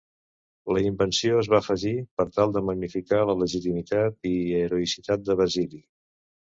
La invenció es va afegir per tal de magnificar la legitimitat i heroïcitat de Basili.